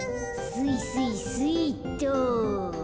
スイスイスイっと。